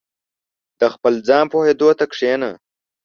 • د خپل ځان پوهېدو ته کښېنه.